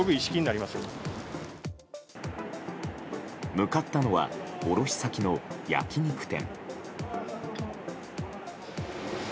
向かったのは卸先の焼き肉店。